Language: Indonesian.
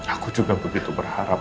aku juga begitu berharap